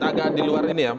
agak di luar ini ya